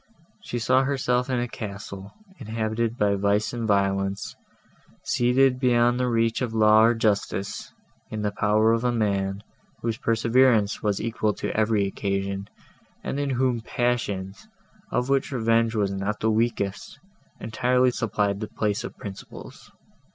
She saw herself in a castle, inhabited by vice and violence, seated beyond the reach of law or justice, and in the power of a man, whose perseverance was equal to every occasion, and in whom passions, of which revenge was not the weakest, entirely supplied the place of principles.